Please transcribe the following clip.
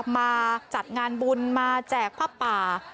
มาจัดงานบุญมาแจกผ้าป่า